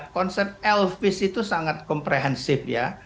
konsep elvis itu sangat komprehensif ya